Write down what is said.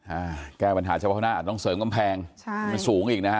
อ่าแก้ปัญหาเฉพาะข้างหน้าอาจต้องเสริมกำแพงใช่มันสูงอีกนะฮะ